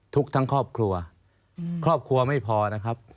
ทั้งครอบครัวครอบครัวไม่พอนะครับ